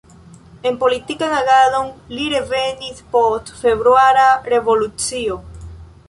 En politikan agadon li revenis post Februara Revolucio.